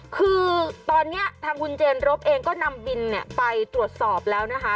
คือตอนนี้ทางคุณเจนรบเองก็นำบินไปตรวจสอบแล้วนะคะ